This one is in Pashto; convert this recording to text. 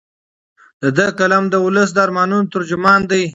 د ده قلم د ولس د ارمانونو ترجمان دی.